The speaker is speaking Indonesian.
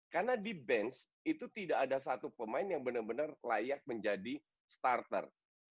karena di bench itu tidak ada satu pemain yang benar benar layak menjadi starter